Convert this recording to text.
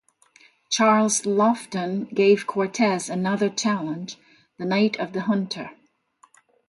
Charles Laughton gave Cortez another challenge - "The Night of the Hunter".